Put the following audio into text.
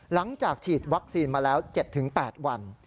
หลังจากฉีดวัคซีนมาแล้ว๗๘วัน